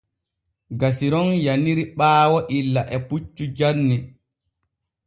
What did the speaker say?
Gasiron yaniri ɓaayo illa e puccu janni.